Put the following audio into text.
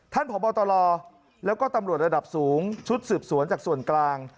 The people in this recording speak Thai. พบตลแล้วก็ตำรวจระดับสูงชุดสืบสวนจากส่วนกลาง